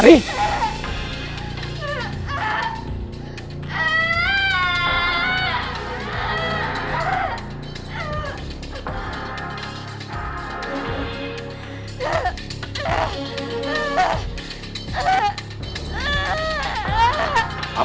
tidak akan menjadi kacau